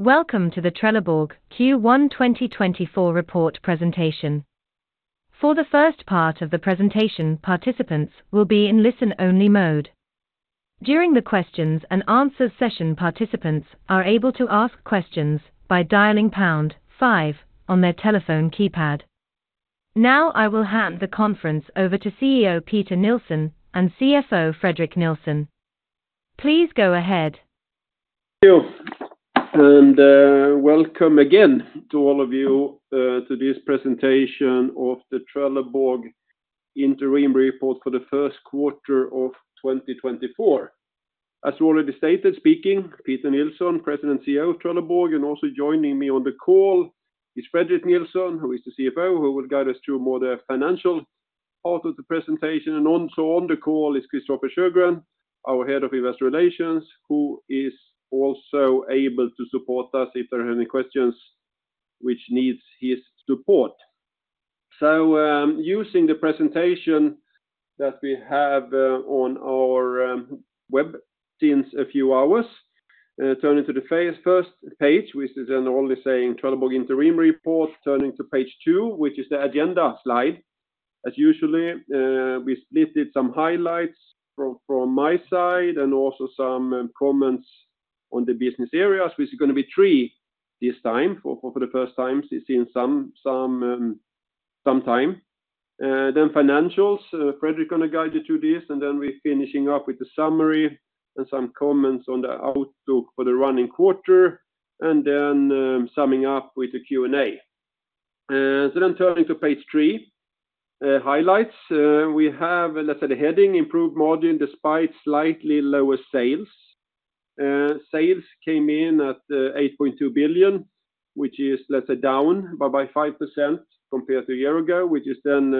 Welcome to the Trelleborg Q1 2024 report presentation. For the first part of the presentation, participants will be in listen-only mode. During the questions and answers session, participants are able to ask questions by dialing pound five on their telephone keypad. Now I will hand the conference over to CEO Peter Nilsson and CFO Fredrik Nilsson. Please go ahead. Thank you, and welcome again to all of you to this presentation of the Trelleborg Interim Report for the first quarter of 2024. As already stated, speaking Peter Nilsson, President and CEO of Trelleborg, and also joining me on the call is Fredrik Nilsson, who is the CFO who will guide us through more of the financial part of the presentation. And on the call is Christofer Sjögren, our Head of Investor Relations, who is also able to support us if there are any questions which need his support. So using the presentation that we have on our web since a few hours, turning to the first page, which is only saying Trelleborg Interim Report, turning to page two, which is the agenda slide. As usual, we split it some highlights from my side and also some comments on the business areas. Which is going to be three this time for the first time since some time. Then financials. Fredrik is going to guide you through this. And then we're finishing up with the summary and some comments on the outlook for the running quarter and then summing up with the Q&A. So then turning to page three, highlights. We have, let's say, the heading improved margin despite slightly lower sales. Sales came in at 8.2 billion, which is, let's say, down by 5% compared to a year ago, which is then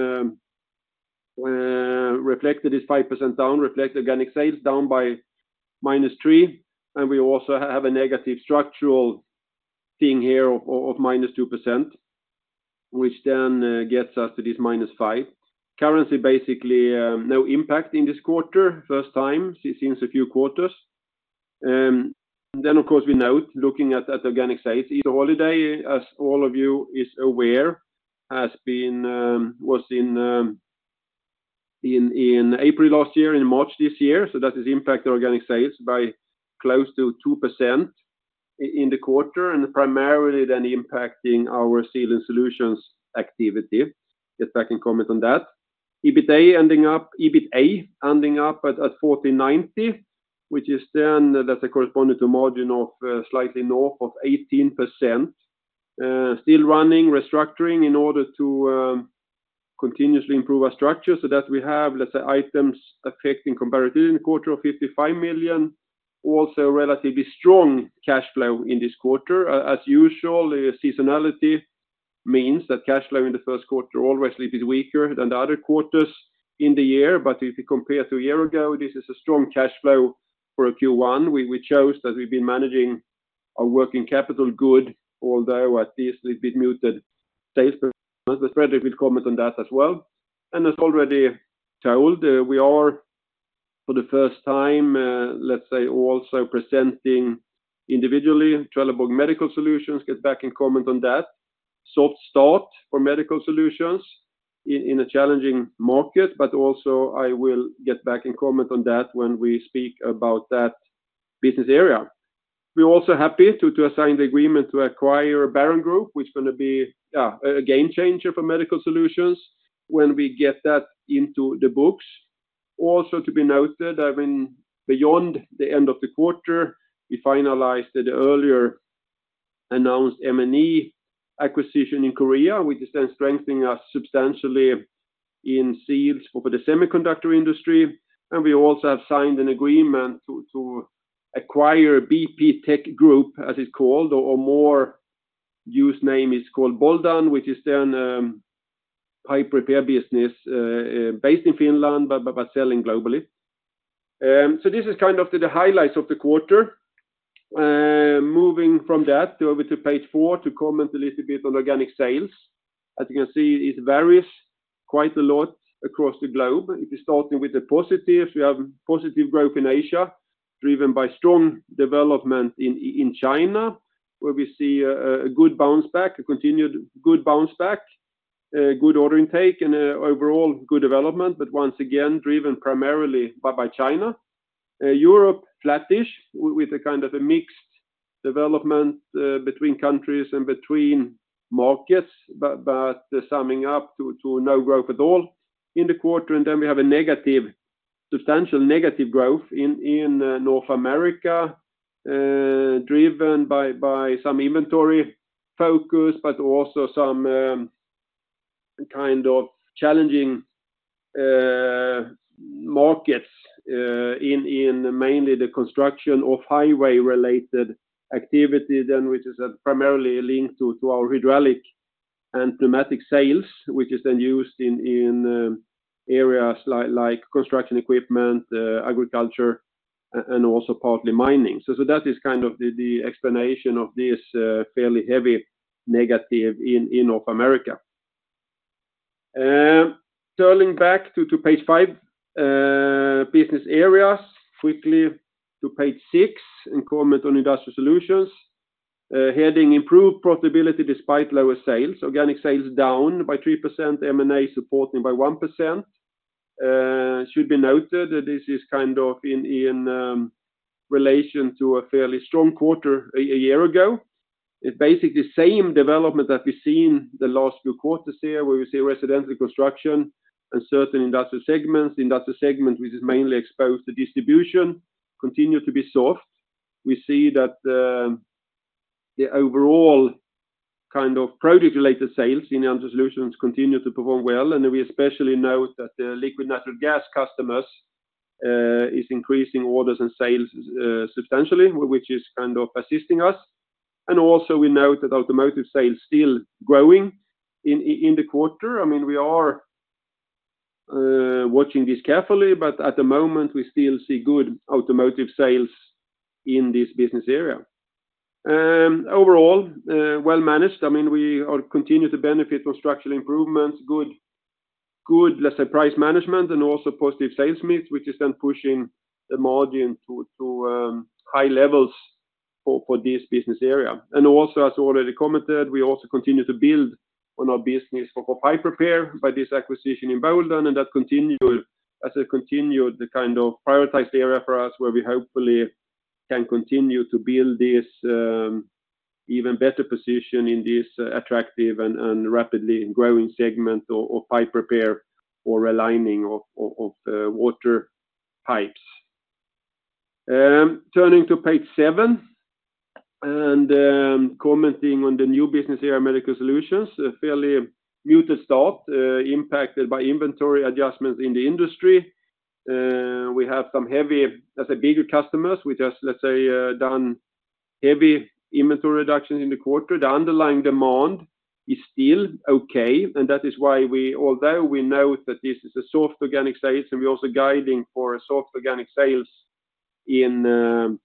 reflected as 5% down, reflect organic sales down by -3%. And we also have a negative structural thing here of -2%, which then gets us to this -5. Currency, basically no impact in this quarter, first time since a few quarters. Then, of course, we note looking at organic sales. The holiday, as all of you are aware, was in April last year, in March this year. So that has impact organic sales by close to 2% in the quarter and primarily then impacting our Sealing Solutions activity. Get back and comment on that. EBITDA ending up EBITA ending up at 4,090, which is then, let's say, corresponding to margin of slightly north of 18%. Still running restructuring in order to continuously improve our structure so that we have, let's say, items affecting comparability in the quarter of 55 million. Also relatively strong cash flow in this quarter. As usual, seasonality means that cash flow in the first quarter always is weaker than the other quarters in the year. But if you compare to a year ago, this is a strong cash flow for Q1. We note that we've been managing our working capital good, although at least a bit muted sales. Fredrik will comment on that as well. As already told, we are for the first time, let's say, also presenting individually Trelleborg Medical Solutions. Get back and comment on that. Soft start for Medical Solutions in a challenging market. Also I will get back and comment on that when we speak about that business area. We're also happy to sign the agreement to acquire Baron Group, which is going to be a game changer for Medical Solutions when we get that into the books. Also to be noted, I mean, beyond the end of the quarter, we finalized the earlier announced MNE acquisition in Korea, which is then strengthening us substantially in seals for the semiconductor industry. We also have signed an agreement to acquire BP-Tech Group, as it's called, or more used name is called Boldan, which is then a pipe repair business based in Finland but selling globally. This is kind of the highlights of the quarter. Moving from that over to page four to comment a little bit on organic sales. As you can see, it varies quite a lot across the globe. If you're starting with the positives, we have positive growth in Asia driven by strong development in China, where we see a good bounce back, a continued good bounce back, good order intake, and overall good development, but once again driven primarily by China. Europe flattish with a kind of a mixed development between countries and between markets, but summing up to no growth at all in the quarter. And then we have a negative, substantial negative growth in North America driven by some inventory focus, but also some kind of challenging markets in mainly the construction of highway-related activity then, which is primarily linked to our hydraulic and pneumatic sales, which is then used in areas like construction equipment, agriculture, and also partly mining. So that is kind of the explanation of this fairly heavy negative in North America. Turning back to page five business areas, quickly to page six and comment on Industrial Solutions. Heading improved profitability despite lower sales. Organic sales down by 3%, M&A supporting by 1%. Should be noted that this is kind of in relation to a fairly strong quarter a year ago. It's basically the same development that we've seen the last few quarters here where we see residential construction and certain Industrial segments. The Industrial segment, which is mainly exposed to distribution, continued to be soft. We see that the overall kind of product-related sales in the solutions continue to perform well. We especially note that liquid natural gas customers are increasing orders and sales substantially, which is kind of assisting us. We note that automotive sales are still growing in the quarter. I mean, we are watching this carefully, but at the moment we still see good automotive sales in this business area. Overall, well managed. I mean, we continue to benefit from structural improvements, good, let's say, price management, and also positive sales mix, which is then pushing the margin to high levels for this business area. As already commented, we also continue to build on our business for pipe repair by this acquisition in Boldan. That continued as a continued kind of prioritized area for us where we hopefully can continue to build this even better position in this attractive and rapidly growing segment of pipe repair or aligning of water pipes. Turning to page seven and commenting on the new business area, Medical Solutions, a fairly muted start impacted by inventory adjustments in the industry. We have some heavy, let's say, bigger customers which have, let's say, done heavy inventory reductions in the quarter. The underlying demand is still okay. And that is why we, although we note that this is a soft organic sales and we're also guiding for soft organic sales in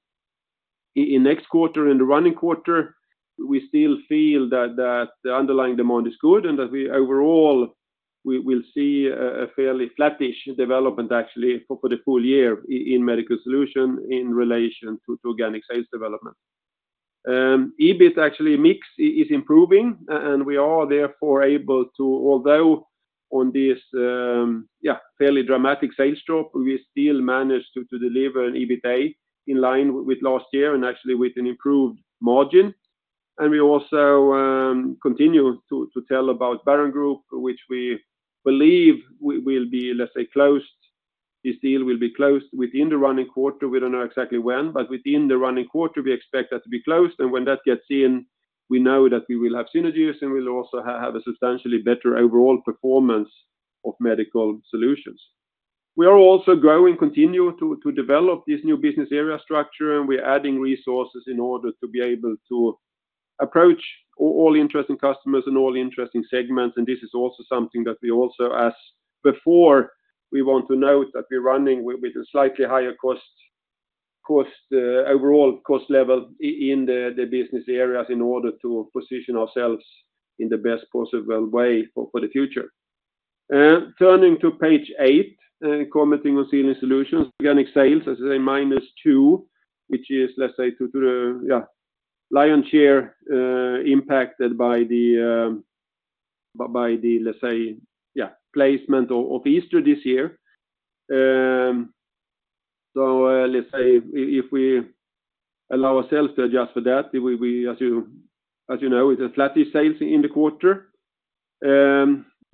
next quarter and the running quarter, we still feel that the underlying demand is good and that we overall will see a fairly flattish development actually for the full year in Medical Solution in relation to organic sales development. EBIT actually mix is improving and we are therefore able to, although on this fairly dramatic sales drop, we still manage to deliver an EBITDA in line with last year and actually with an improved margin. And we also continue to tell about Baron Group, which we believe will be, let's say, closed. This deal will be closed within the running quarter. We don't know exactly when, but within the running quarter we expect that to be closed. And when that gets in, we know that we will have synergies and we'll also have a substantially better overall performance of Medical Solutions. We are also growing, continue to develop this new business area structure and we're adding resources in order to be able to approach all interesting customers and all interesting segments. And this is also something that we also, as before. We want to note that we're running with a slightly higher cost, overall cost level in the business areas in order to position ourselves in the best possible way for the future. Turning to page eight and commenting on Sealing Solutions, organic sales, as I say, -2, which is, let's say, to the lion's share impacted by the, let's say, placement of Easter this year. So let's say if we allow ourselves to adjust for that, as you know, it's a flattish sales in the quarter.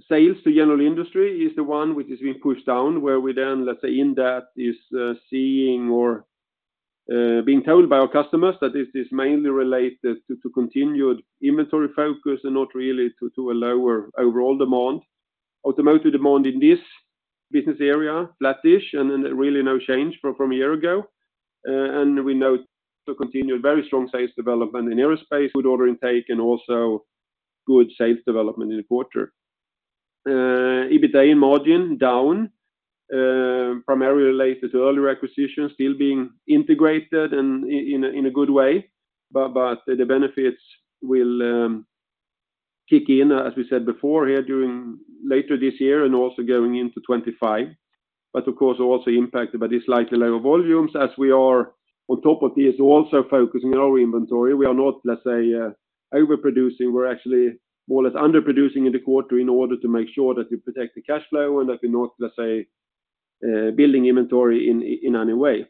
Sales to general industry is the one which has been pushed down where we then, let's say, in that is seeing or being told by our customers that this is mainly related to continued inventory focus and not really to a lower overall demand. Automotive demand in this business area, flattish and really no change from a year ago. We note to continue very strong sales development in aerospace, good order intake, and also good sales development in the quarter. EBIT in margin down, primarily related to earlier acquisitions, still being integrated and in a good way. But the benefits will kick in, as we said before, here during later this year and also going into 2025. But of course, also impacted by this slightly lower volumes as we are on top of this also focusing on our inventory. We are not, let's say, overproducing. We're actually more or less underproducing in the quarter in order to make sure that you protect the cash flow and that we're not, let's say, building inventory in any way.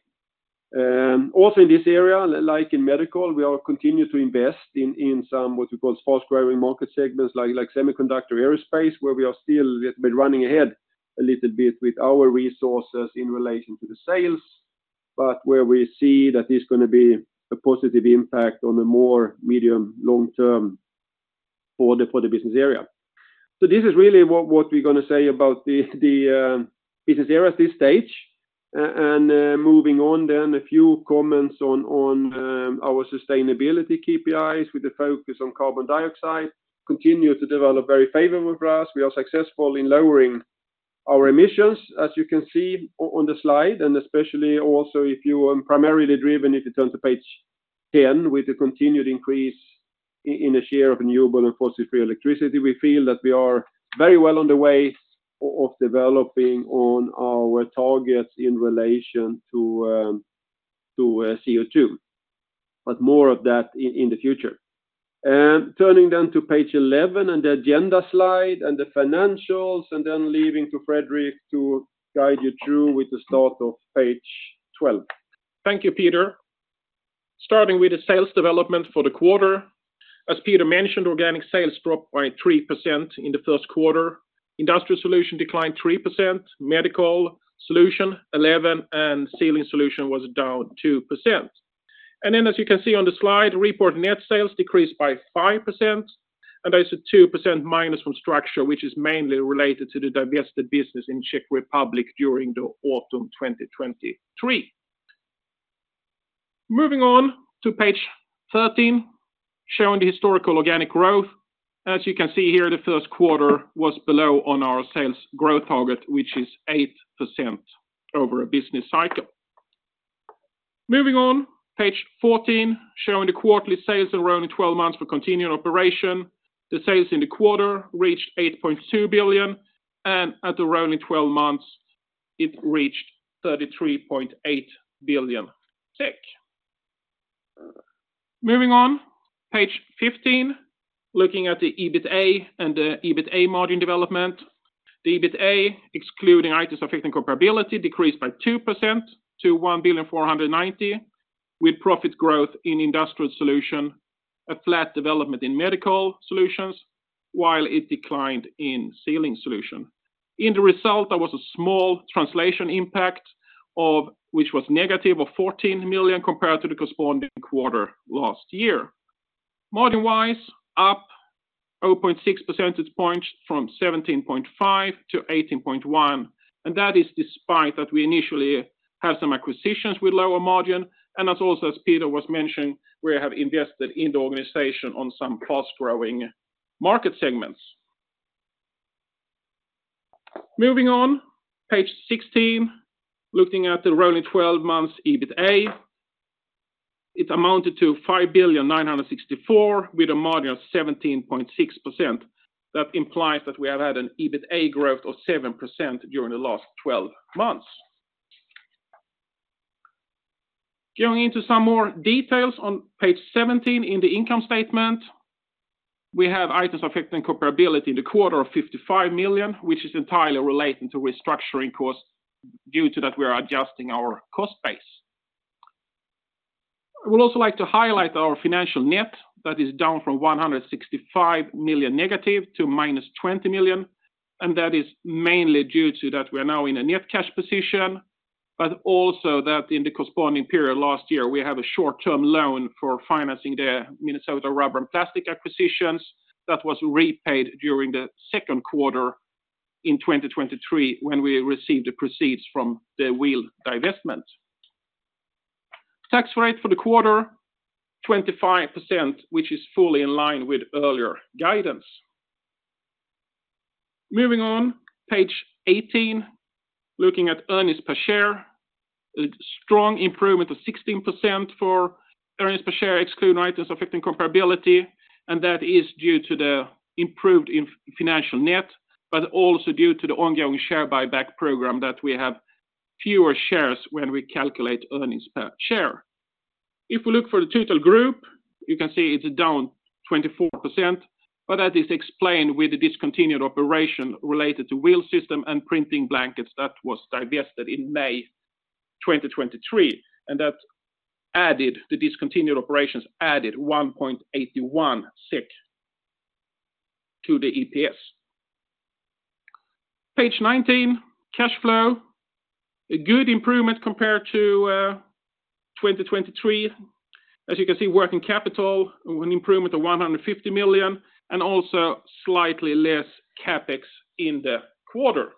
Also in this area, like in Medical, we are continuing to invest in somewhat what we call fast growing market segments like semiconductor, aerospace, where we are still a little bit running ahead a little bit with our resources in relation to the sales, but where we see that this is going to be a positive impact on a more medium long term for the business area. So this is really what we're going to say about the business areas at this stage. Moving on then, a few comments on our sustainability KPIs with a focus on carbon dioxide. Continue to develop very favorably for us. We are successful in lowering our emissions, as you can see on the slide. Especially also if you are primarily driven, if you turn to page 10 with a continued increase in a share of renewable and fossil free electricity, we feel that we are very well on the way of developing on our targets in relation to CO2, but more of that in the future. Turning then to page 11 and the agenda slide and the financials and then leaving to Fredrik to guide you through with the start of page 12. Thank you, Peter. Starting with the sales development for the quarter. As Peter mentioned, organic sales dropped by 3% in the first quarter. Industrial Solutions declined 3%, Medical Solutions 11%, and Sealing Solutions was down 2%. Then, as you can see on the slide, reported net sales decreased by 5%, and that is -2% from structure, which is mainly related to the divested business in Czech Republic during autumn 2023. Moving on to page 13, showing the historical organic growth. And as you can see here, the first quarter was below our sales growth target, which is 8% over a business cycle. Moving on, page 14, showing the quarterly sales and rolling 12 months for continuing operation. The sales in the quarter reached 8.2 billion, and at the rolling 12 months, it reached 33.8 billion SEK. Moving on, page 15, looking at the EBITA and the EBITA margin development. The EBITA, excluding items affecting comparability, decreased by 2% to 1,490,000,000 with profit growth in Industrial Solution, a flat development in Medical Solutions, while it declined in Sealing Solution. In the result, there was a small translation impact, which was -14 million compared to the corresponding quarter last year. Margin-wise, up 0.6 percentage points from 17.5-18.1. That is despite that we initially had some acquisitions with lower margin. And as Peter was also mentioning, we have invested in the organization on some fast growing market segments. Moving on, page 16, looking at the rolling 12 months EBITA. It amounted to 5,964,000 with a margin of 17.6%. That implies that we have had an EBITA growth of 7% during the last 12 months. Going into some more details on page 17 in the income statement, we have items affecting comparability in the quarter of 55 million, which is entirely related to restructuring costs due to that we are adjusting our cost base. I would also like to highlight our financial net that is down from -165 million to -20 million. And that is mainly due to that we are now in a net cash position, but also that in the corresponding period last year, we have a short-term loan for financing the Minnesota Rubber and Plastics acquisition that was repaid during the second quarter in 2023 when we received the proceeds from the wheel divestment. Tax rate for the quarter, 25%, which is fully in line with earlier guidance. Moving on, page 18, looking at earnings per share. A strong improvement of 16% for earnings per share, excluding items affecting comparability. And that is due to the improved financial net, but also due to the ongoing share buyback program that we have fewer shares when we calculate earnings per share. If we look for the total group, you can see it's down 24%, but that is explained with the discontinued operation related to Wheel System and printing blankets that was divested in May 2023. And that added the discontinued operations 1.81 SEK to the EPS. Page 19, cash flow. A good improvement compared to 2023. As you can see, working capital, an improvement of 150 million and also slightly less CapEx in the quarter.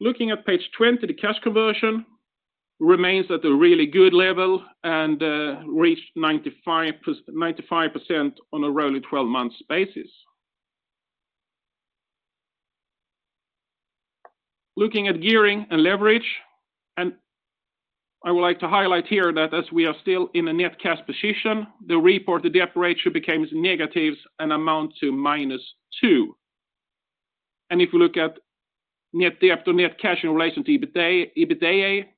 Looking at page 20, the cash conversion remains at a really good level and reached 95% on a rolling 12 month basis. Looking at gearing and leverage. I would like to highlight here that as we are still in a net cash position, the reported debt ratio became negative and amounts to -2x. And if we look at net debt or net cash in relation to EBITA,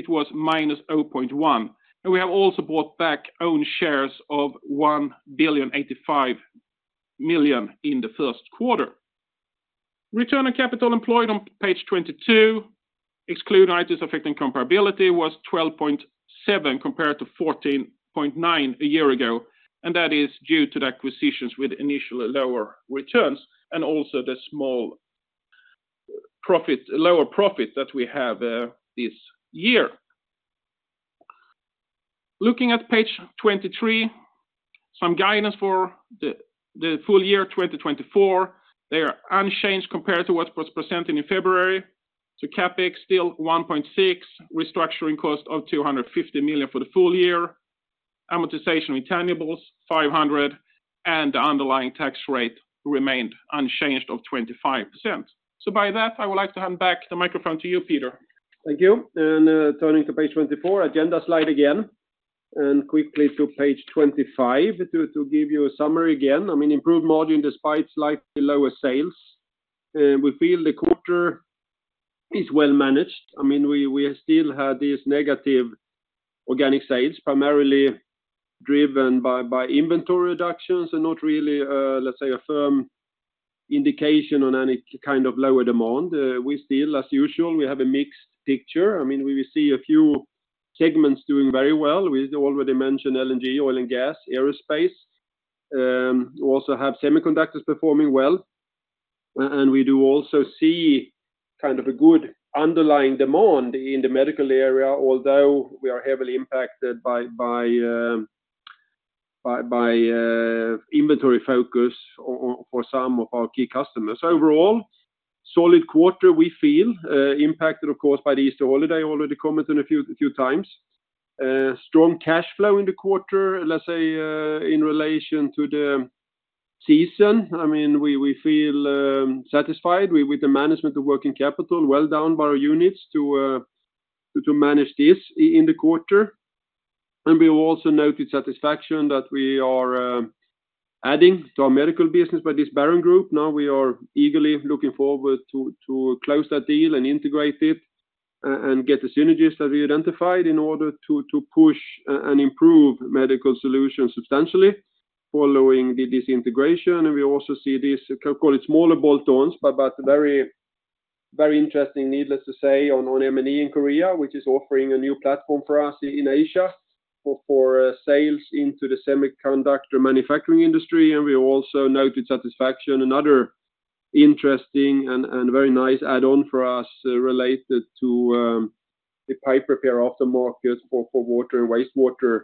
it was -0.1x. We have also bought back own shares of 1,085,000,000 in the first quarter. Return on capital employed on page 22, excluding items affecting comparability, was 12.7% compared to 14.9% a year ago. That is due to the acquisitions with initially lower returns and also the small profit, lower profit that we have this year. Looking at page 23, some guidance for the full year 2024. They are unchanged compared to what was presented in February. So CapEx still 1.6, restructuring cost of 250 million for the full year, amortization of intangibles 500, and the underlying tax rate remained unchanged of 25%. So by that, I would like to hand back the microphone to you, Peter. Thank you. Turning to page 24, agenda slide again. Quickly to page 25 to give you a summary again. I mean, improved margin despite slightly lower sales. We feel the quarter is well managed. I mean, we still had these negative organic sales, primarily driven by inventory reductions and not really, let's say, a firm indication on any kind of lower demand. We still, as usual, we have a mixed picture. I mean, we see a few segments doing very well. We already mentioned LNG, oil and gas, aerospace. Also have semiconductors performing well. And we do also see kind of a good underlying demand in the Medical area, although we are heavily impacted by inventory focus for some of our key customers. Overall, solid quarter, we feel, impacted, of course, by the Easter holiday, already commented on a few times. Strong cash flow in the quarter, let's say, in relation to the season. I mean, we feel satisfied with the management of working capital, well down by our units to manage this in the quarter. And we also noted satisfaction that we are adding to our Medical business by this Baron Group. Now we are eagerly looking forward to close that deal and integrate it and get the synergies that we identified in order to push and improve Medical Solutions substantially following this integration. And we also see this, call it smaller bolt-ons, but very interesting, needless to say, on MNE in Korea, which is offering a new platform for us in Asia for sales into the semiconductor manufacturing industry. And we also noted satisfaction, another interesting and very nice add-on for us related to the pipe repair aftermarket for water and wastewater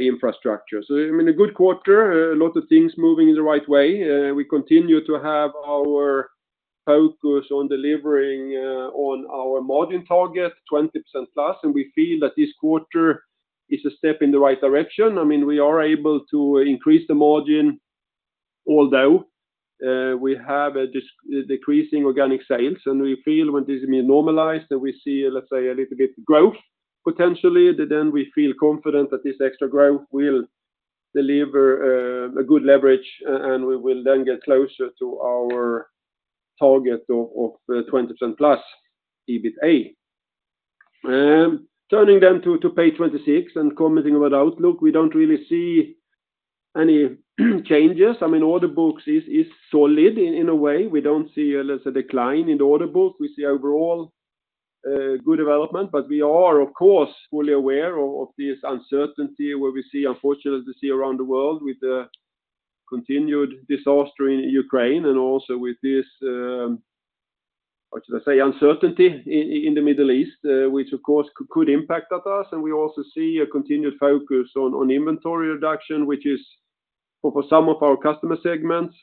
infrastructure. So, I mean, a good quarter, a lot of things moving in the right way. We continue to have our focus on delivering on our margin target, 20%+. We feel that this quarter is a step in the right direction. I mean, we are able to increase the margin, although we have decreasing organic sales. We feel when this normalized and we see, let's say, a little bit of growth potentially, then we feel confident that this extra growth will deliver a good leverage and we will then get closer to our target of 20%+ EBITA. Turning then to page 26 and commenting about outlook, we don't really see any changes. I mean, order books is solid in a way. We don't see a decline in order book. We see overall good development, but we are, of course, fully aware of this uncertainty where we see, unfortunately, we see around the world with the continued disaster in Ukraine and also with this, how should I say, uncertainty in the Middle East, which, of course, could impact us. And we also see a continued focus on inventory reduction, which is for some of our customer segments.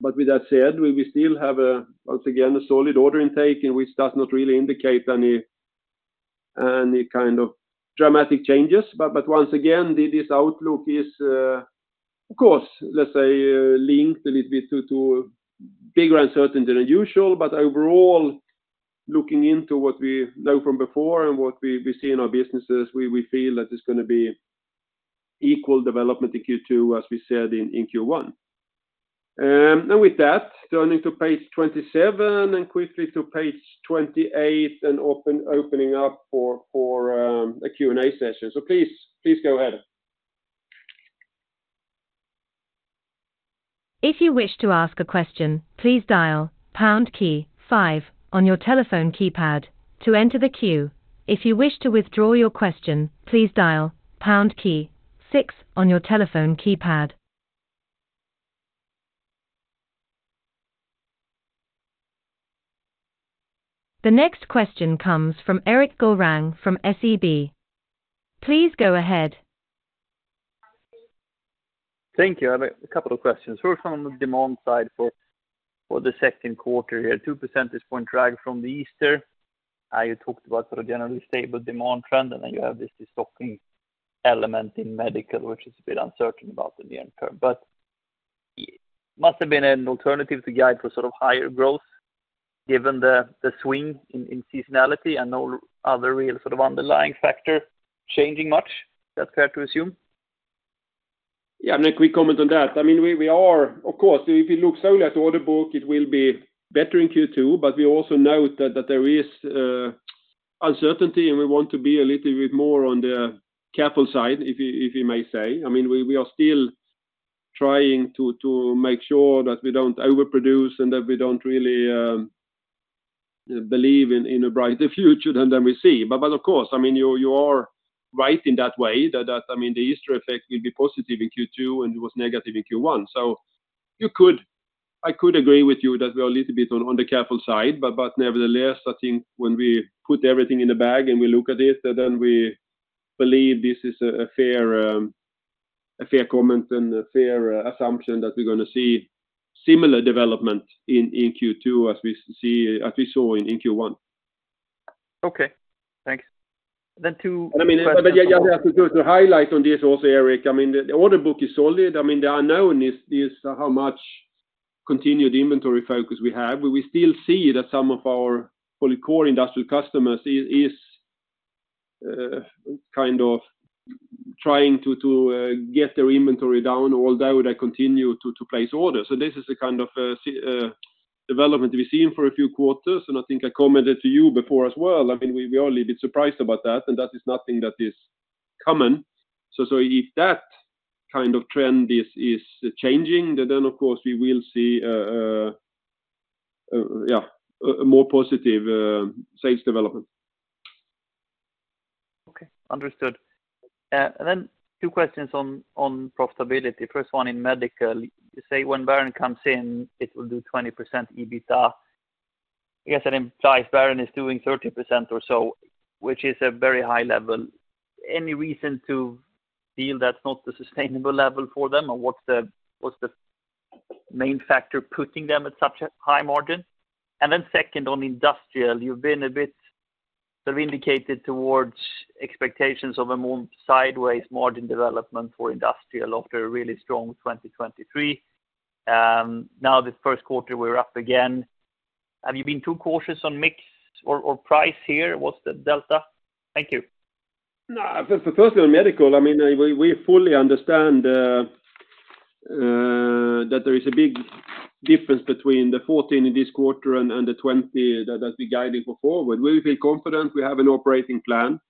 But with that said, we still have, once again, a solid order intake, which does not really indicate any kind of dramatic changes. But once again, this outlook is, of course, let's say, linked a little bit to bigger uncertainty than usual. But overall, looking into what we know from before and what we see in our businesses, we feel that it's going to be equal development in Q2, as we said in Q1. With that, turning to page 27 and quickly to page 28 and opening up for a Q&A session. So please go ahead. If you wish to ask a question, please dial pound key five on your telephone keypad to enter the queue. If you wish to withdraw your question, please dial pound key six on your telephone keypad. The next question comes from Erik Golrang from SEB. Please go ahead. Thank you. I have a couple of questions. First, on the demand side for the second quarter here, 2% point drag from the Easter. You talked about sort of generally stable demand trend, and then you have this stocking element in Medical, which is a bit uncertain about the near term. But it must have been an alternative to guide for sort of higher growth given the swing in seasonality and no other real sort of underlying factor changing much, that's fair to assume. Yeah. Erik, we comment on that. I mean, we are, of course, if you look solely at the order book, it will be better in Q2, but we also note that there is uncertainty and we want to be a little bit more on the careful side, if you may say. I mean, we are still trying to make sure that we don't overproduce and that we don't really believe in a brighter future than we see. But of course, I mean, you are right in that way that, I mean, the Easter effect will be positive in Q2 and it was negative in Q1. So I could agree with you that we are a little bit on the careful side, but nevertheless, I think when we put everything in a bag and we look at it, then we believe this is a fair comment and a fair assumption that we're going to see similar development in Q2 as we saw in Q1. Okay. Thanks. Then. To highlight on this also, Erik, I mean, the order book is solid. I mean, the unknown is how much continued inventory focus we have. We still see that some of our core Industrial customers are kind of trying to get their inventory down, although they continue to place orders. So this is the kind of development we've seen for a few quarters. And I think I commented to you before as well. I mean, we are a little bit surprised about that, and that is nothing that is common. So if that kind of trend is changing, then of course, we will see, yeah, more positive sales development. Okay. Understood. And then two questions on profitability. First one in Medical. You say when Baron comes in, it will do 20% EBITA. I guess that implies Baron is doing 30% or so, which is a very high level. Any reason to feel that's not the sustainable level for them? And what's the main factor putting them at such a high margin? And then second, on Industrial, you've been a bit sort of indicated towards expectations of a more sideways margin development for Industrial after a really strong 2023. Now this first quarter, we're up again. Have you been too cautious on mix or price here? What's the delta? Thank you. No, firstly, on Medical, I mean, we fully understand that there is a big difference between the 14 in this quarter and the 20 that we're guiding forward. We feel confident we have an operating plan.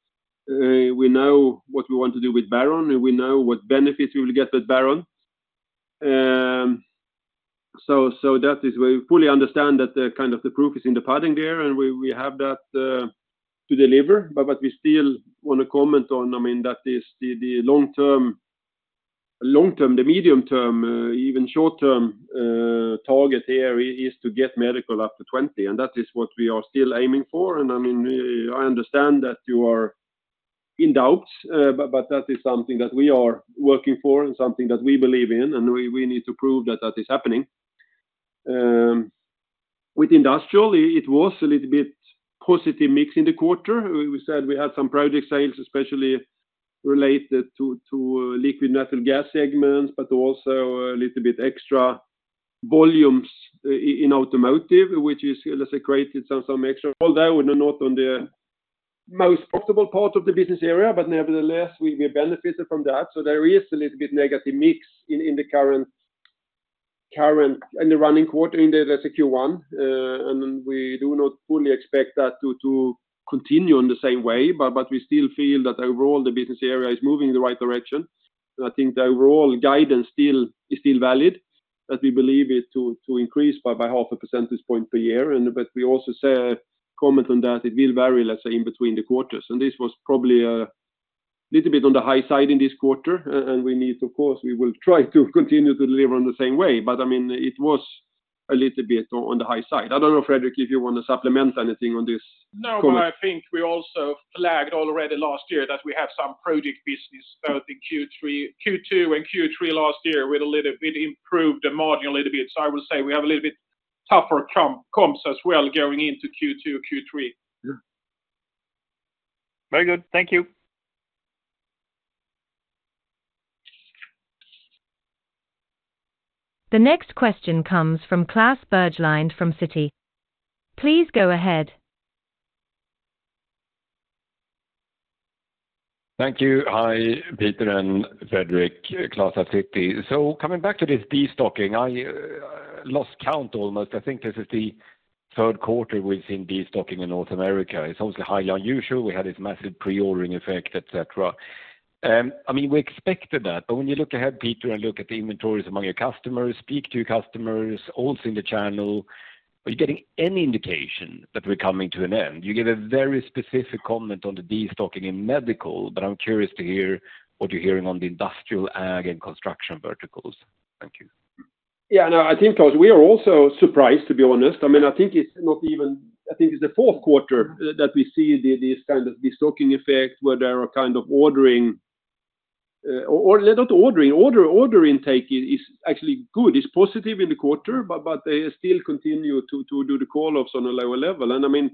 We know what we want to do with Baron, and we know what benefits we will get with Baron. So that is where we fully understand that kind of the proof is in the pudding there, and we have that to deliver. But we still want to comment on, I mean, that is the long-term, the medium-term, even short-term target here is to get Medical up to 20. And that is what we are still aiming for. And I mean, I understand that you are in doubt, but that is something that we are working for and something that we believe in, and we need to prove that that is happening. With Industrial, it was a little bit positive mix in the quarter. We said we had some project sales, especially related to liquid natural gas segments, but also a little bit extra volumes in automotive, which is, let's say, created some extra. Although not on the most profitable part of the business area, but nevertheless, we benefited from that. So there is a little bit negative mix in the current, in the running quarter, in the Q1. And we do not fully expect that to continue in the same way, but we still feel that overall, the business area is moving in the right direction. And I think the overall guidance is still valid, that we believe it to increase by 0.5 percentage point per year. But we also comment on that it will vary, let's say, in between the quarters. And this was probably a little bit on the high side in this quarter. And we need, of course, we will try to continue to deliver on the same way. But I mean, it was a little bit on the high side. I don't know, Fredrik, if you want to supplement anything on this comment. No, but I think we also flagged already last year that we have some project business both in Q2 and Q3 last year with a little bit improved margin a little bit. So I will say we have a little bit tougher comps as well going into Q2 or Q3. Yeah. Very good. Thank you. The next question comes from Klas Bergelind from Citi. Please go ahead. Thank you. Hi, Peter and Fredrik, Klas of Citi. So coming back to this destocking, I lost count almost. I think this is the third quarter we've seen destocking in North America. It's obviously highly unusual. We had this massive pre-ordering effect, etc. I mean, we expected that. But when you look ahead, Peter, and look at the inventories among your customers, speak to your customers, also in the channel, are you getting any indication that we're coming to an end? You gave a very specific comment on the destocking in Medical, but I'm curious to hear what you're hearing on the Industrial, and construction verticals. Thank you. Yeah, no, I think, of course, we are also surprised, to be honest. I mean, I think it's not even the fourth quarter that we see this kind of destocking effect where there are kind of ordering or not ordering. Order intake is actually good, is positive in the quarter, but they still continue to do the call-offs on a lower level. I mean,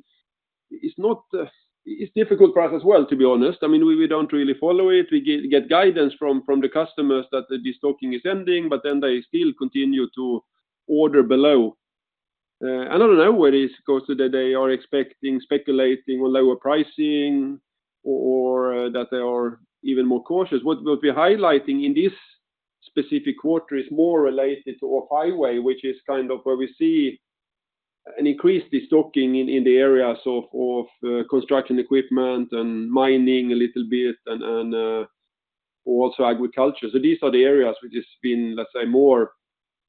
it's difficult for us as well, to be honest. I mean, we don't really follow it. We get guidance from the customers that the destocking is ending, but then they still continue to order below. I don't know whether it's because they are expecting, speculating on lower pricing or that they are even more cautious. What we're highlighting in this specific quarter is more related to off-highway, which is kind of where we see an increased destocking in the areas of construction equipment and mining a little bit and also agriculture. So these are the areas which have been, let's say, more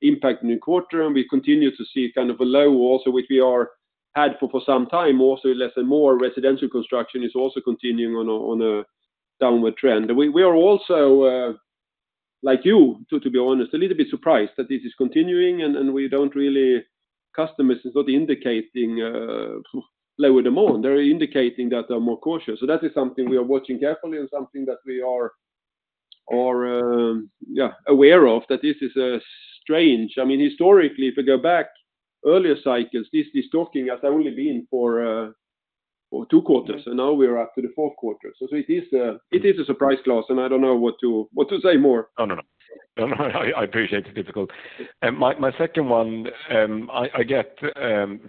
impacted in the quarter. And we continue to see kind of a low also, which we had for some time. Also less and more residential construction is also continuing on a downward trend. And we are also, like you, to be honest, a little bit surprised that this is continuing and customers are not indicating lower demand. They're indicating that they're more cautious. So that is something we are watching carefully and something that we are, yeah, aware of, that this is strange. I mean, historically, if we go back earlier cycles, this destocking has only been for two quarters, and now we are up to the fourth quarter. So it is a surprise, Klas, and I don't know what to say more. Oh, no, no. I appreciate it's difficult. My second one, I get,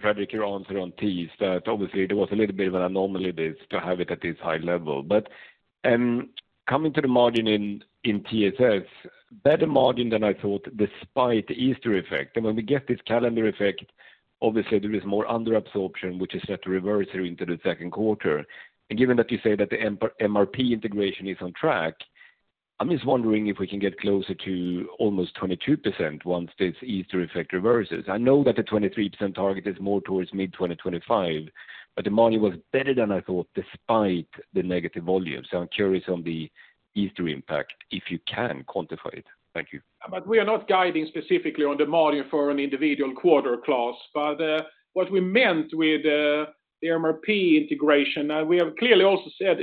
Fredrik, your answer on TSS that obviously there was a little bit of an anomaly to have it at this high level. But coming to the margin in TSS, better margin than I thought despite the Easter effect. And when we get this calendar effect, obviously, there is more underabsorption, which is set to reverse here into the second quarter. And given that you say that the MRP integration is on track, I'm just wondering if we can get closer to almost 22% once this Easter effect reverses. I know that the 23% target is more towards mid-2025, but the margin was better than I thought despite the negative volumes. So I'm curious on the Easter impact if you can quantify it. Thank you. But we are not guiding specifically on the margin for an individual quarter, Klas. But what we meant with the MRP integration, we have clearly also said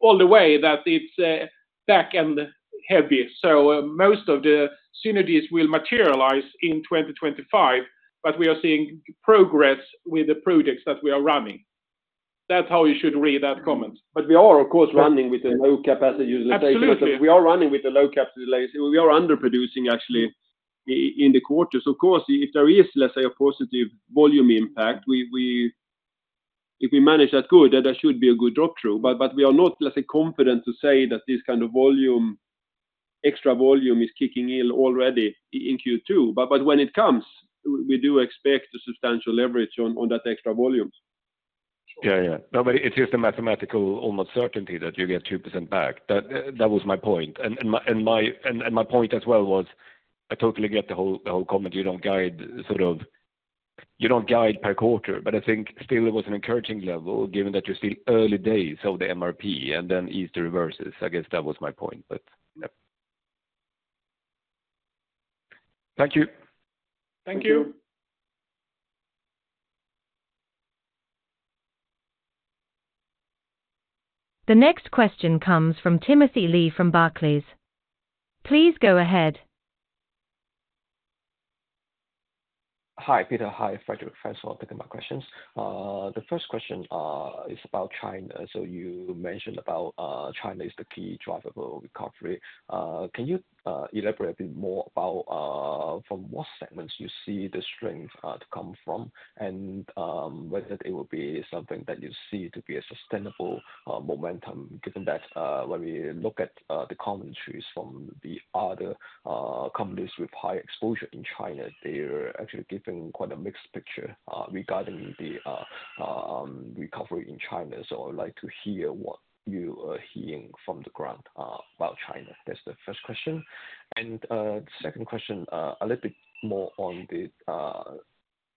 all the way that it's back-end heavy. So most of the synergies will materialize in 2025, but we are seeing progress with the projects that we are running. That's how you should read that comment. But we are, of course, running with a low capacity utilization. We are running with a low capacity utilization. We are underproducing, actually, in the quarters. Of course, if there is, let's say, a positive volume impact, if we manage that good, then there should be a good drop-through. But we are not, let's say, confident to say that this kind of extra volume is kicking in already in Q2. But when it comes, we do expect a substantial leverage on that extra volume. Yeah, yeah. No, but it's just a mathematical almost certainty that you get 2% back. That was my point. And my point as well was I totally get the whole comment. You don't guide sort of you don't guide per quarter. But I think still it was an encouraging level given that you're still early days of the MRP and then Easter reverses. I guess that was my point, but yeah. Thank you. Thank you. The next question comes from Timothy Lee from Barclays. Please go ahead. Hi, Peter. Hi, Fredrik. First, I'll take my questions. The first question is about China. So you mentioned about China is the key driver for recovery. Can you elaborate a bit more about from what segments you see the strength to come from and whether it will be something that you see to be a sustainable momentum given that when we look at the commentaries from the other companies with high exposure in China, they're actually giving quite a mixed picture regarding the recovery in China? So I would like to hear what you are hearing from the ground about China. That's the first question. And the second question, a little bit more on the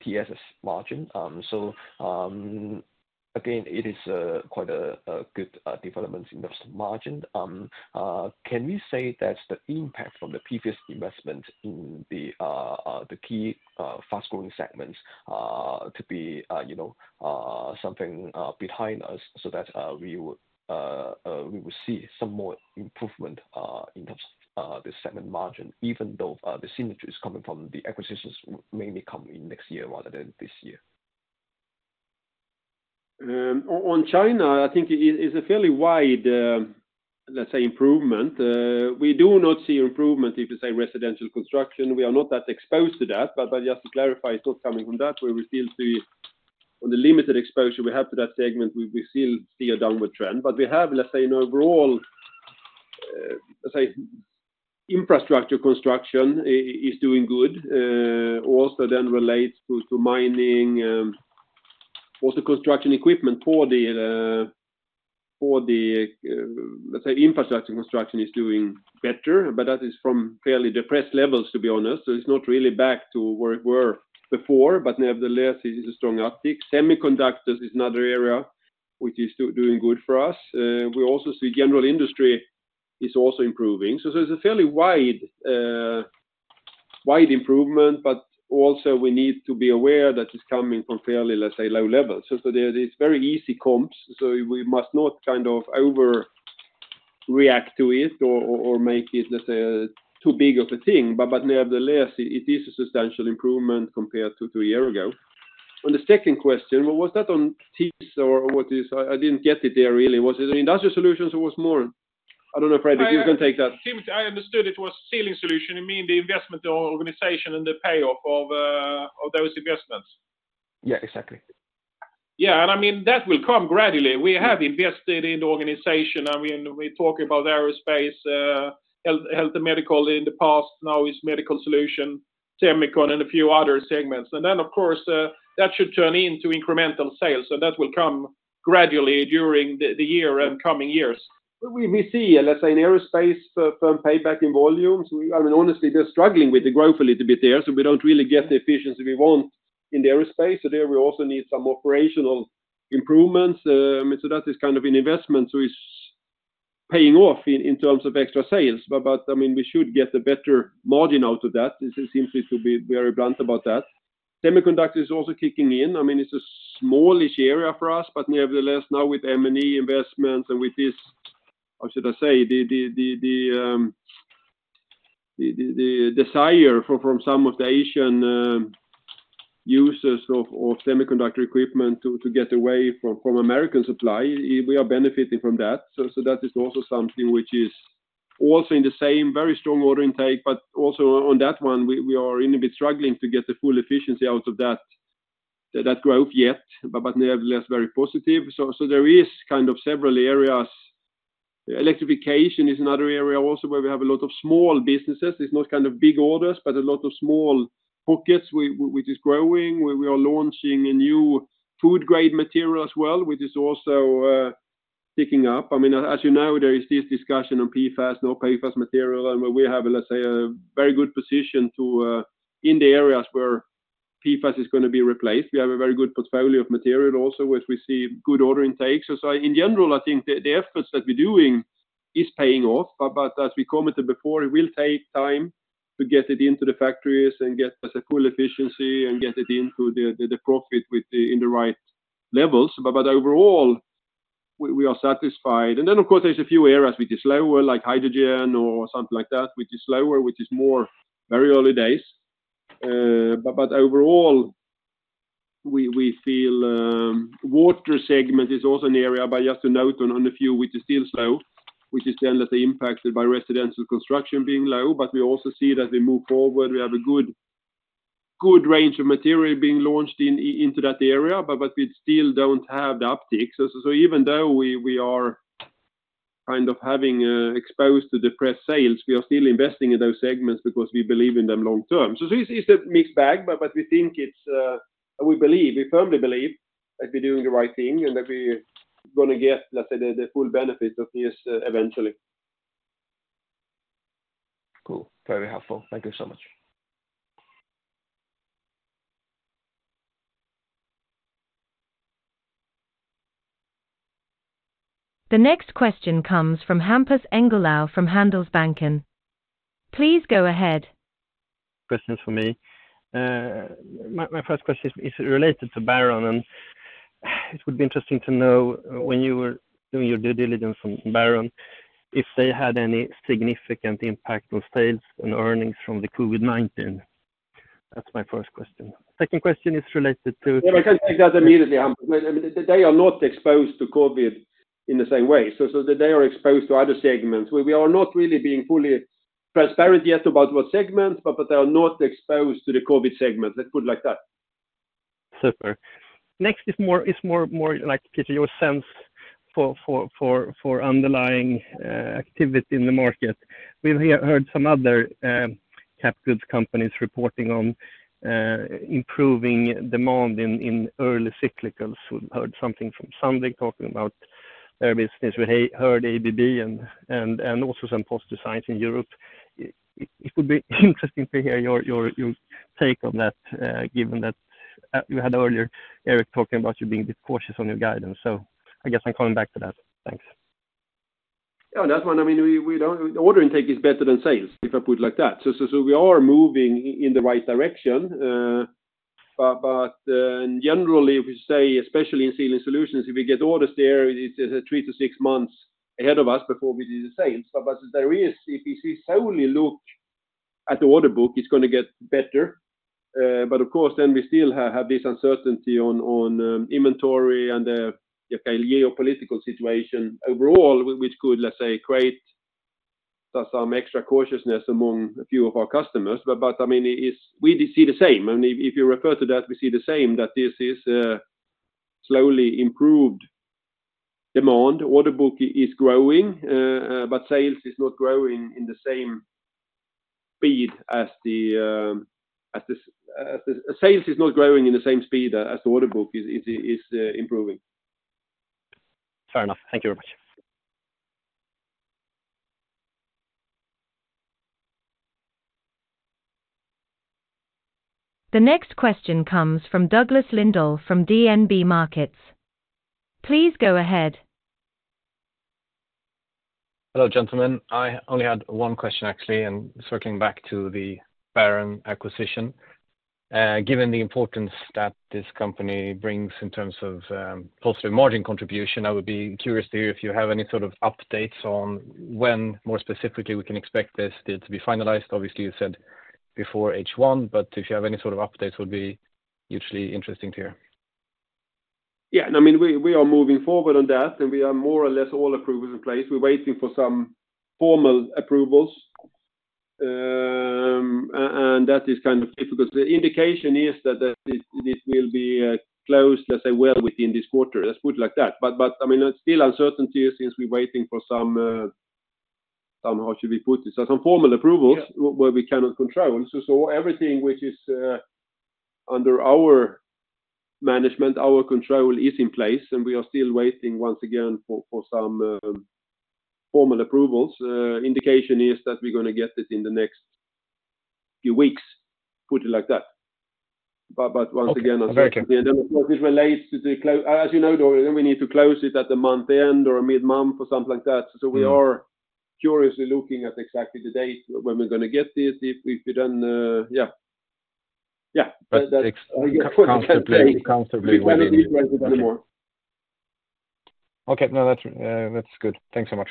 TSS margin. So again, it is quite a good development in terms of margin. Can we say that the impact from the previous investment in the key fast-growing segments to be something behind us so that we will see some more improvement in terms of the segment margin even though the synergies coming from the acquisitions may come in next year rather than this year? On China, I think it's a fairly wide, let's say, improvement. We do not see improvement if you say residential construction. We are not that exposed to that. But just to clarify, it's not coming from that. We're still seeing on the limited exposure we have to that segment, we still see a downward trend. But we have, let's say, an overall, let's say, infrastructure construction is doing good. Also then relates to mining. Also, construction equipment for the, let's say, infrastructure construction is doing better. But that is from fairly depressed levels, to be honest. So it's not really back to where it were before, but nevertheless, it's a strong uptick. Semiconductors is another area, which is doing good for us. We also see general industry is also improving. So it's a fairly wide improvement, but also we need to be aware that it's coming from fairly, let's say, low levels. So there are very easy comps. So we must not kind of overreact to it or make it, let's say, too big of a thing. But nevertheless, it is a substantial improvement compared to a year ago. On the second question, was that on TSS or what is? I didn't get it there, really. Was it on Industrial Solutions or was more? I don't know, Fredrik, you can take that. I understood it was Sealing Solutions. You mean the investment organization and the payoff of those investments? Yeah, exactly. Yeah, I mean, that will come gradually. We have invested in the organization. I mean, we talk about aerospace, health, and Medical in the past. Now it's Medical Solution, semicon, and a few other segments. Then, of course, that should turn into incremental sales, and that will come gradually during the year and coming years. We see, let's say, in aerospace firm payback in volumes. I mean, honestly, they're struggling with the growth a little bit there, so we don't really get the efficiency we want in the aerospace. So there we also need some operational improvements. I mean, so that is kind of an investment that is paying off in terms of extra sales. But I mean, we should get a better margin out of that. It seems to be very blunt about that. Semiconductor is also kicking in. I mean, it's a smallish area for us, but nevertheless, now with MNE investments and with this, how should I say, the desire from some of the Asian users of semiconductor equipment to get away from American supply, we are benefiting from that. So that is also something which is also in the same very strong order intake. But also on that one, we are a little bit struggling to get the full efficiency out of that growth yet, but nevertheless, very positive. So there is kind of several areas. Electrification is another area also where we have a lot of small businesses. It's not kind of big orders, but a lot of small pockets, which is growing. We are launching a new food-grade material as well, which is also picking up. I mean, as you know, there is this discussion on PFAS, no PFAS material, and we have, let's say, a very good position in the areas where PFAS is going to be replaced. We have a very good portfolio of material also where we see good order intakes. So in general, I think the efforts that we're doing are paying off. But as we commented before, it will take time to get it into the factories and get, let's say, full efficiency and get it into the profit in the right levels. But overall, we are satisfied. And then, of course, there's a few areas which are slower, like hydrogen or something like that, which is slower, which is more very early days. But overall, we feel water segment is also an area, but just to note on a few, which is still slow, which is then, let's say, impacted by residential construction being low. But we also see that we move forward. We have a good range of material being launched into that area, but we still don't have the upticks. So even though we are kind of having exposed to depressed sales, we are still investing in those segments because we believe in them long term. So it's a mixed bag, but we think it's we believe, we firmly believe that we're doing the right thing and that we're going to get, let's say, the full benefit of this eventually. Cool. Very helpful. Thank you so much. The next question comes from Hampus Engellau from Handelsbanken. Please go ahead. Questions for me. My first question is related to Baron, and it would be interesting to know when you were doing your due diligence on Baron if they had any significant impact on sales and earnings from the COVID-19. That's my first question. Second question is related to. Yeah, but I can take that immediately, Hampus. I mean, they are not exposed to COVID in the same way. So they are exposed to other segments. We are not really being fully transparent yet about what segments, but they are not exposed to the COVID segments. Let's put it like that. Super. Next is more, Peter, your sense for underlying activity in the market. We've heard some other cap goods companies reporting on improving demand in early cyclicals. We've heard something from Sandvik talking about their business. We heard ABB and also some positive signs in Europe. It would be interesting to hear your take on that given that you had earlier Erik talking about you being a bit cautious on your guidance. So I guess I'm coming back to that. Thanks. Yeah, that one. I mean, the order intake is better than sales if I put it like that. So we are moving in the right direction. But generally, if we say, especially in Sealing Solutions, if we get orders there, it's 3 months-6 months ahead of us before we do the sales. But if we solely look at the order book, it's going to get better. But of course, then we still have this uncertainty on inventory and the geopolitical situation overall, which could, let's say, create some extra cautiousness among a few of our customers. But I mean, we see the same. I mean, if you refer to that, we see the same that this is slowly improved demand. Order book is growing, but sales is not growing in the same speed as the sales is not growing in the same speed as the order book is improving. Fair enough. Thank you very much. The next question comes from Douglas Lindahl from DNB Markets. Please go ahead. Hello, gentlemen. I only had one question, actually, and circling back to the Baron acquisition. Given the importance that this company brings in terms of positive margin contribution, I would be curious to hear if you have any sort of updates on when more specifically we can expect this to be finalized. Obviously, you said before H1, but if you have any sort of updates, it would be hugely interesting to hear. Yeah, and I mean, we are moving forward on that, and we are more or less all approvals in place. We're waiting for some formal approvals, and that is kind of difficult. The indication is that it will be closed, let's say, well within this quarter. Let's put it like that. But I mean, it's still uncertainty since we're waiting for some how should we put it? So some formal approvals where we cannot control. So everything which is under our management, our control is in place, and we are still waiting once again for some formal approvals. Indication is that we're going to get it in the next few weeks, put it like that. But once again, I'll say something. And then, of course, it relates to the as you know, we need to close it at the month-end or a mid-month or something like that. So we are curiously looking at exactly the date when we're going to get it. If we then yeah. Yeah. But I guess we can't complain anymore. Okay. No, that's good. Thanks so much.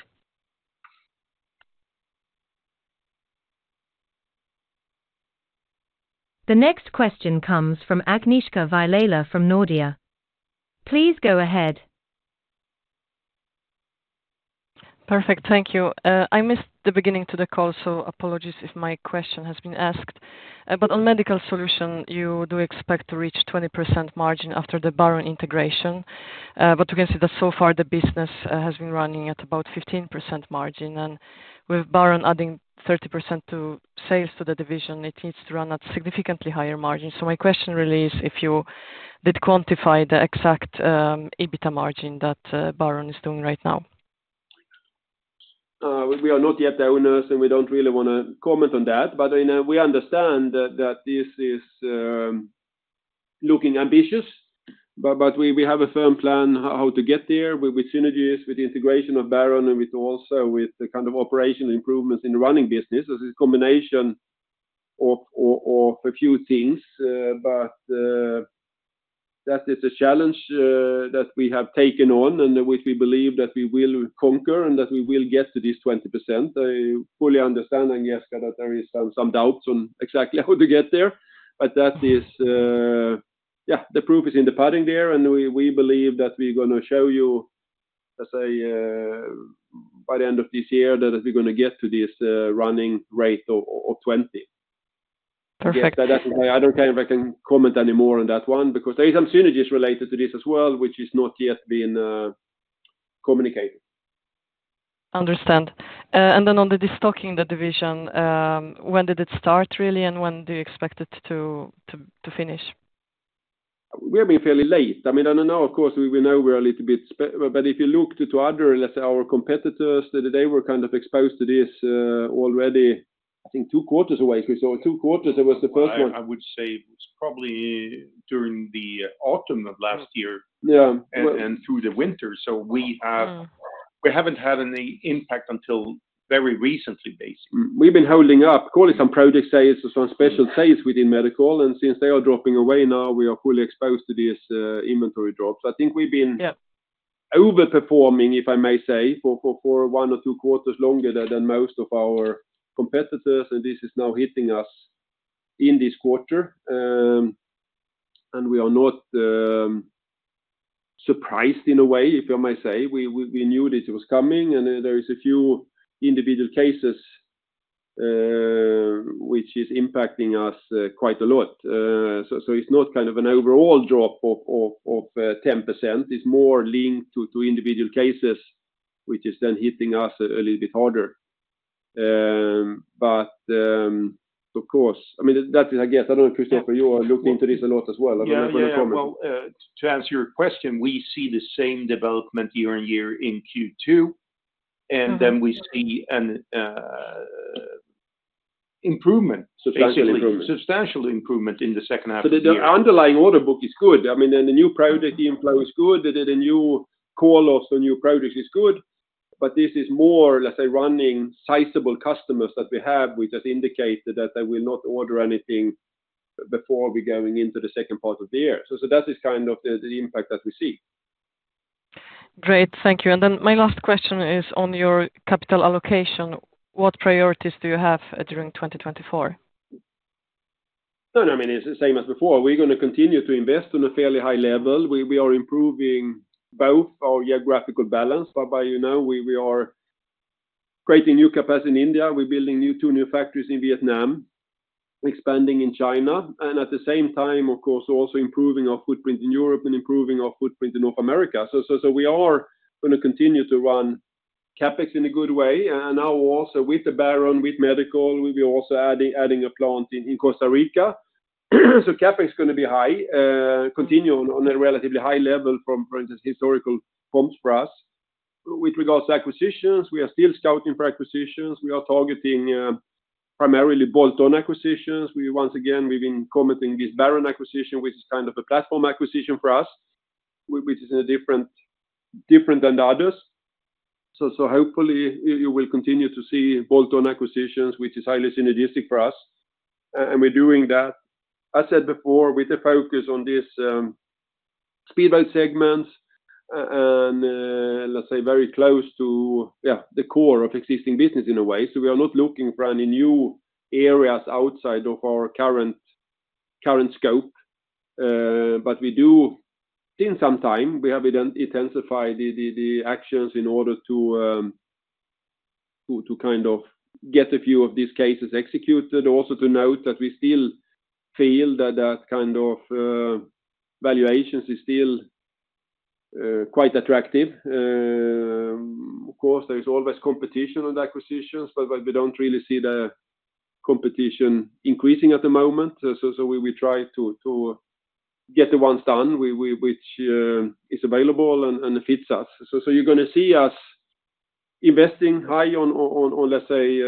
The next question comes from Agnieszka Vilela from Nordea. Please go ahead. Perfect. Thank you. I missed the beginning to the call, so apologies if my question has been asked. But on Medical Solutions, you do expect to reach 20% margin after the Baron integration. But you can see that so far the business has been running at about 15% margin. And with Baron adding 30% sales to the division, it needs to run at significantly higher margins. So my question really is if you did quantify the exact EBITDA margin that Baron is doing right now? We are not yet the owners, and we don't really want to comment on that. But I mean, we understand that this is looking ambitious, but we have a firm plan how to get there with synergies, with the integration of Baron, and also with the kind of operational improvements in the running business. This is a combination of a few things, but that is a challenge that we have taken on and which we believe that we will conquer and that we will get to this 20%. I fully understand, Agnieszka, that there are some doubts on exactly how to get there, but yeah, the proof is in the pudding there, and we believe that we're going to show you, let's say, by the end of this year that we're going to get to this running rate of 20. Perfect. Yeah. I don't know if I can comment anymore on that one because there are some synergies related to this as well, which has not yet been communicated. Understand. And then on the destocking of the division, when did it start, really, and when do you expect it to finish? We have been fairly late. I mean, I don't know. Of course, we know we're a little bit. But if you looked to other, let's say, our competitors, they were kind of exposed to this already, I think, two quarters away. So two quarters, it was the first one. I would say it was probably during the autumn of last year and through the winter. So we haven't had any impact until very recently, basically. We've been holding up, call it some project sales or some special sales within Medical. Since they are dropping away now, we are fully exposed to this inventory drop. So I think we've been overperforming, if I may say, for one or two quarters longer than most of our competitors. And this is now hitting us in this quarter. And we are not surprised in a way, if I may say. We knew that it was coming, and there are a few individual cases which are impacting us quite a lot. So it's not kind of an overall drop of 10%. It's more linked to individual cases, which is then hitting us a little bit harder. But of course, I mean, that's it, I guess. I don't know, Christofer, you are looking into this a lot as well. I don't know if you want to comment. Yeah. Well, to answer your question, we see the same development year-on-year in Q2, and then we see an improvement, substantial improvement in the second half of the year. So the underlying order book is good. I mean, then the new project inflow is good. The new call-offs on new projects are good. But this is more, let's say, running sizable customers that we have, which has indicated that they will not order anything before we're going into the second part of the year. So that is kind of the impact that we see. Great. Thank you. And then my last question is on your capital allocation. What priorities do you have during 2024? No, no. I mean, it's the same as before. We're going to continue to invest on a fairly high level. We are improving both our geographical balance. But you know we are creating new capacity in India. We're building two new factories in Vietnam, expanding in China, and at the same time, of course, also improving our footprint in Europe and improving our footprint in North America. So we are going to continue to run CapEx in a good way. And now also with Baron, with Medical, we're also adding a plant in Costa Rica. So CapEx is going to be high, continue on a relatively high level from, for instance, historical norms for us. With regards to acquisitions, we are still scouting for acquisitions. We are targeting primarily bolt-on acquisitions. Once again, we've been commenting this Baron acquisition, which is kind of a platform acquisition for us, which is different than the others. So hopefully, you will continue to see bolt-on acquisitions, which is highly synergistic for us. We're doing that, as said before, with a focus on this speedboat segment and, let's say, very close to the core of existing business in a way. So we are not looking for any new areas outside of our current scope. But we do, in some time, we have intensified the actions in order to kind of get a few of these cases executed. Also to note that we still feel that that kind of valuation is still quite attractive. Of course, there is always competition on the acquisitions, but we don't really see the competition increasing at the moment. So we try to get the ones done, which is available and fits us. So you're going to see us investing high on, let's say,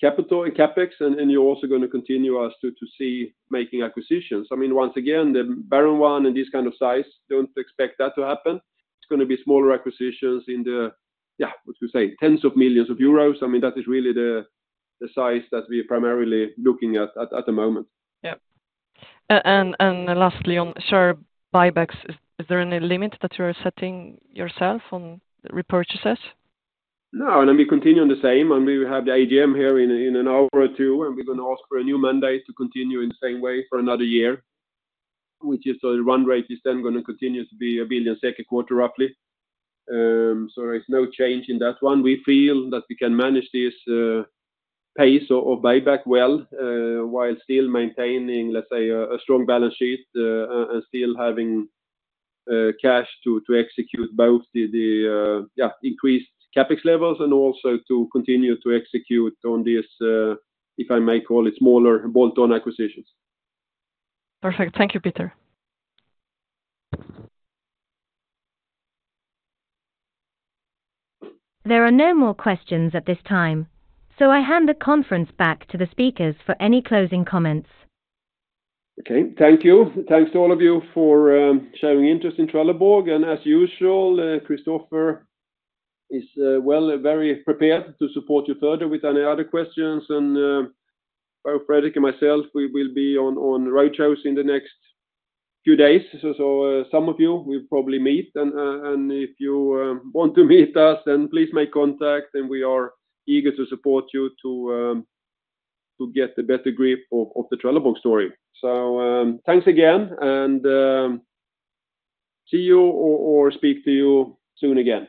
capital, CapEx, and you're also going to continue us to see making acquisitions. I mean, once again, the Baron one and this kind of size, don't expect that to happen. It's going to be smaller acquisitions in the, yeah, what do you say, tens of millions of euros. I mean, that is really the size that we're primarily looking at at the moment. Yeah. Lastly, on share buybacks, is there any limit that you are setting yourself on repurchases? No. Then we continue on the same. We have the AGM here in an hour or two, and we're going to ask for a new mandate to continue in the same way for another year, which is the run rate is then going to continue to be 1 billion second quarter, roughly. There is no change in that one. We feel that we can manage this pace of buyback well while still maintaining, let's say, a strong balance sheet and still having cash to execute both the increased CapEx levels and also to continue to execute on this, if I may call it, smaller bolt-on acquisitions. Perfect. Thank you, Peter. There are no more questions at this time, so I hand the conference back to the speakers for any closing comments. Okay. Thank you. Thanks to all of you for showing interest in Trelleborg. And as usual, Christofer is very prepared to support you further with any other questions. And Fredrik and myself, we will be on roadshows in the next few days. So some of you, we'll probably meet. And if you want to meet us, then please make contact, and we are eager to support you to get a better grip of the Trelleborg story. Thanks again, and see you or speak to you soon again.